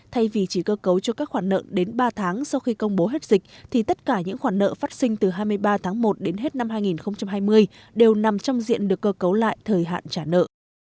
thay vì chỉ cơ cấu cho các khoản nợ đến ba tháng sau khi công bố hết dịch thì tất cả những khoản nợ phát sinh từ hai mươi ba tháng một đến hết năm hai nghìn hai mươi đều nằm trong diện được cơ cấu lại thời hạn trả nợ